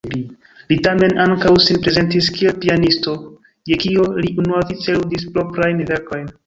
Li tamen ankaŭ sin prezentis kiel pianisto, je kio li unuavice ludis proprajn verkojn.